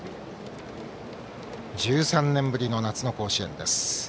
１３年ぶりの夏の甲子園です。